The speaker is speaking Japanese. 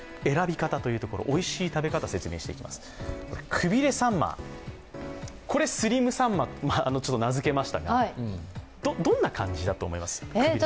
クビレサンマ、これはスリムサンマと名付けましたが、どんな感じだと思います？